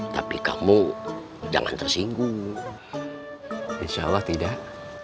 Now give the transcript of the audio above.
tapi kamu jangan tersinggung insyaallah tidak